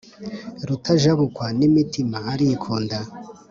Rutajabukwa n’imitima arikunda